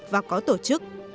và có tổ chức